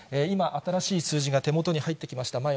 今、新しい数字が手元に入ってきました。